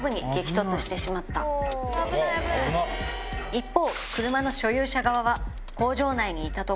一方。